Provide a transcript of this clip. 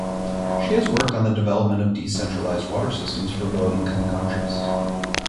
She has worked on the development of decentralized water systems for low income countries.